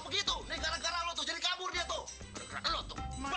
diyor enggak mana usahanya